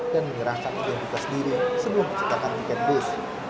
dan menyerahkan identitas diri sebelum mencetakkan tiket bus